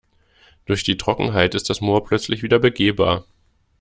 Durch die Trockenheit ist das Moor plötzlich wieder begehbar.